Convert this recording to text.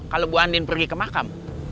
kalau bu andin pergi ke makam